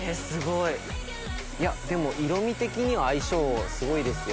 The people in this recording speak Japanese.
いやでも色み的には相性すごいですよ。